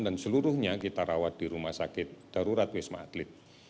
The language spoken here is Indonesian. dan seluruhnya kita rawat di rumah sakit darurat wisma adlit